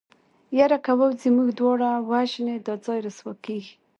يره که ووځې موږ دواړه وژني دا ځای رسوا کېږي.